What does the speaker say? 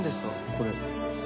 これ。